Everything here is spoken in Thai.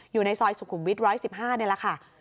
อยู่ในซอยสุขุมวิท๑๑๕นี่แหละค่ะ